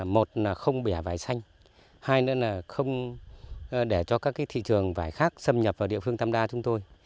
một là không bẻ vải xanh hai nữa là không để cho các thị trường vải khác xâm nhập vào địa phương tam đa chúng tôi